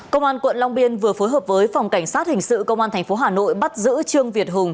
công an quận long biên vừa phối hợp với phòng cảnh sát hình sự công an tp hà nội bắt giữ trương việt hùng